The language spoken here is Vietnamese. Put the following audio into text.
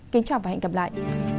kính chào và hẹn gặp lại